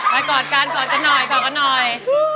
กอดกันกอดกันหน่อยกอดกันหน่อย